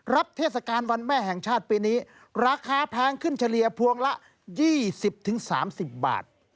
รับเทศกาลวันแม่แห่งชาติปีนี้ราคาแพงขึ้นเฉลี่ยพวงละยี่สิบถึงสามสิบบาท